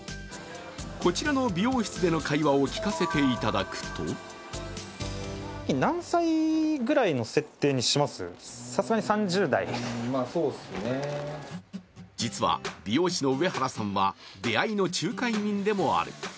こちらの美容室での会話を聞かせていただくと実は美容師の上原さんは出会いの仲介人でもある。